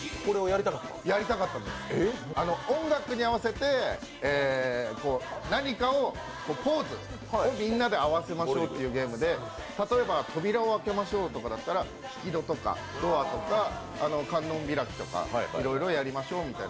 やりたかったんです、このゲームは音楽に合わせて何かをポーズをみんなで合わせましょうというゲームで例えば「扉を開けましょう」とかだったら、引き戸とかドアとか観音開きとか、いろいろやりましょうとか。